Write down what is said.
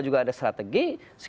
juga ada strategi